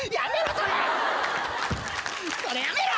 それやめろ！